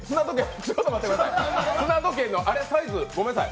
砂時計のサイズ、ごめんなさい。